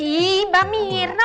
ih mbak mirna